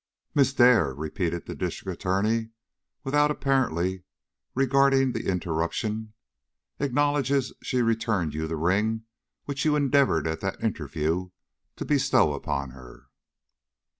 "Miss Dare," repeated the District Attorney, without, apparently, regarding the interruption, "acknowledges she returned you the ring which you endeavored at that interview to bestow upon her."